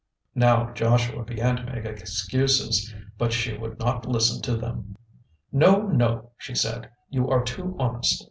Now Joshua began to make excuses, but she would not listen to them. "No, no," she said, "you are too honest.